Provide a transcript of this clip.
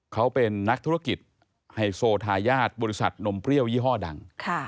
เขาเป็นนักธุรกิจไฮโซทายาทบริษัทนมเปรี้ยวยี่ห้อดัง